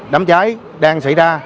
đám trái đang xảy ra